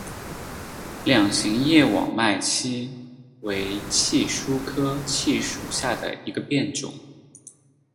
两型叶网脉槭为槭树科槭属下的一个变种。